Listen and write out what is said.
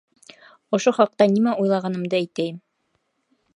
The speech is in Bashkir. Ошо хаҡта нимә уйлағанымды әйтәйем.